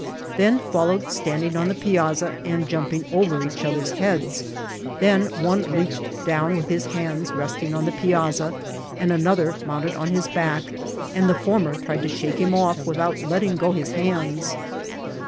Then followed standing on the piazza and jumping over each other's heads ; then one leaned down with his hands resting on the piazza, and another mounted on his back, and the former tried to shake him off vrithout letting go his hands.